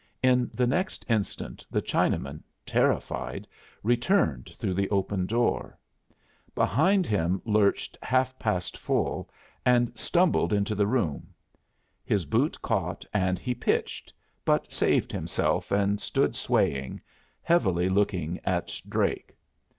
In the next instant the Chinaman, terrified, returned through the open door. Behind him lurched Half past Full, and stumbled into the room. His boot caught, and he pitched, but saved himself and stood swaying, heavily looking at Drake.